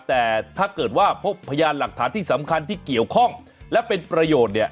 แต่ถ้าเกิดว่าพบพยานหลักฐานที่สำคัญที่เกี่ยวข้องและเป็นประโยชน์เนี่ย